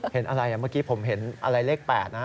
เห็นอะไรเมื่อกี้ผมเห็นอะไรเลข๘นะ